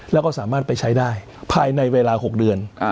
แล้วก็สามารถไปใช้ได้ภายในเวลา๖เดือน